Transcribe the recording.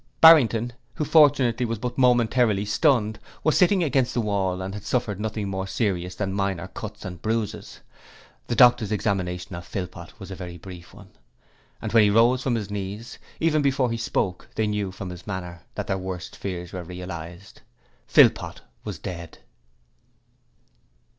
Barrington, who fortunately was but momentarily stunned was sitting against the wall and had suffered nothing more serious than minor cuts and bruises. The doctor's examination of Philpot was a very brief one, and when he rose from his knees, even before he spoke they knew from his manner that their worst fears were realized. Philpot was dead.